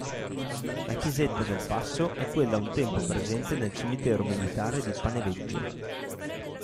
La chiesetta del passo è quella un tempo presente nel cimitero militare di Paneveggio.